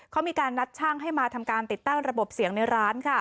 เขามีการนัดช่างให้มาทำการติดตั้งระบบเสียงในร้านค่ะ